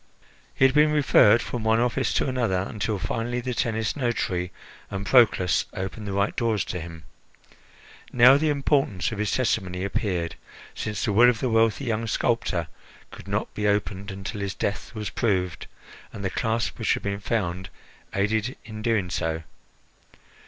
He had been referred from one office to another, until finally the Tennis notary and Proclus opened the right doors to him. Now the importance of his testimony appeared, since the will of the wealthy young sculptor could not be opened until his death was proved, and the clasp which had been found aided in doing so.